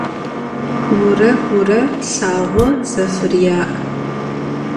Gure gure lhağo zefırya'.